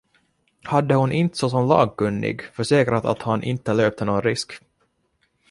Hade hon inte såsom lagkunnig försäkrat att han inte löpte någon risk?